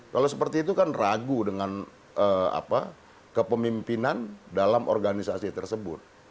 kalau seperti itu kan ragu dengan kepemimpinan dalam organisasi tersebut